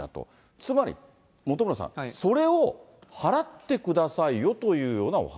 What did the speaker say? つまり、本村さん、それを払ってくださいよというようなお話。